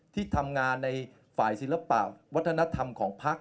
ที่ทำงานในฝ่ายศิลปะวัฒนธรรมของพัก